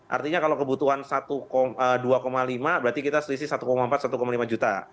artinya kalau kebutuhan rp dua lima juta berarti kita selisih rp satu empat rp satu lima juta